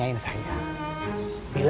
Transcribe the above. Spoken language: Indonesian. abilir misalnya agak cepet